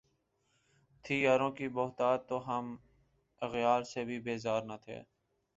تھی یاروں کی بہتات تو ہم اغیار سے بھی بیزار نہ تھے